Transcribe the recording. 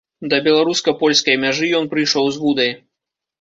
Да беларуска-польскай мяжы ён прыйшоў з вудай.